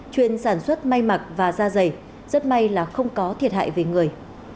chuyên sản xuất may mặc và da dày rất may là không có thiệt hại về người